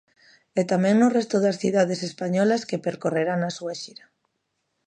E tamén no resto das cidades españolas que percorrerá na súa xira.